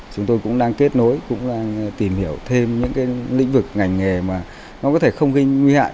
chúng tôi cũng đang kết nối cũng đang tìm hiểu thêm những cái lĩnh vực ngành nghề mà nó có thể không gây nguy hại